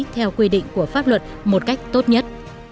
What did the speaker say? theo quy định của pháp luật một cách tốt nhất